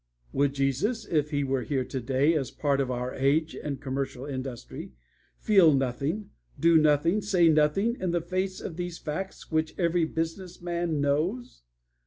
Would Jesus, if He were here today as a part of our age and commercial industry, feel nothing, do nothing, say nothing, in the face of these facts which every business man knows?